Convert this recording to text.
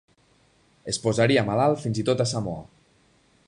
Es posaria malalt fins i tot a Samoa.